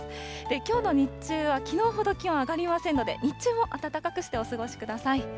きょうの日中はきのうほど気温上がりませんので、日中も暖かくしてお過ごしください。